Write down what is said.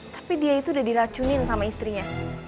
tapi dia itu udah diracunin sama istrinya